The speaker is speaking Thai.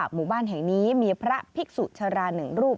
หมู่บ้านแห่งนี้มีพระภิกษุชรา๑รูป